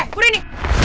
eh buri ini